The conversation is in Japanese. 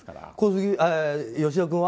吉田君は？